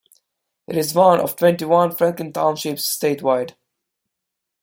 It is one of twenty-one Franklin Townships statewide.